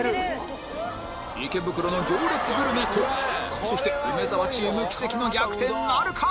池袋の行列グルメとそして梅沢チーム奇跡の逆転なるか？